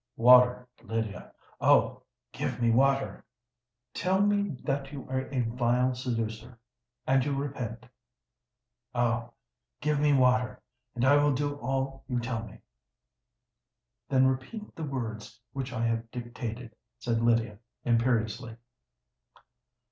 "Water, Lydia,—Oh! give me water!" "Tell me that you are a vile seducer—and you repent." "Oh! give me water—and I will do all you tell me!" "Then repeat the words which I have dictated," said Lydia, imperiously.